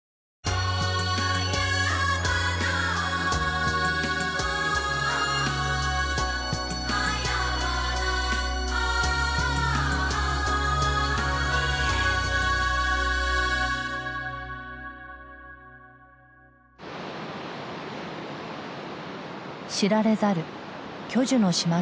知られざる巨樹の島がある。